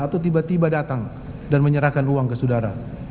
atau tiba tiba datang dan menyerahkan uang ke saudara